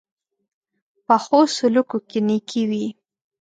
پخو سلوکو کې نېکي وي